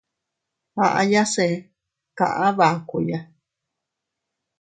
Aʼayase kaʼa bakuya.